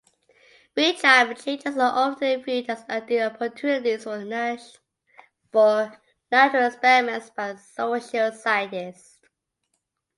Regime changes are often viewed as ideal opportunities for natural experiments by social scientists.